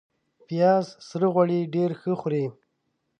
پیاز سره غوړي ډېر ښه خوري